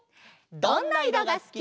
「どんな色がすき」。